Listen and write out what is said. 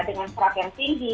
dengan serap yang tinggi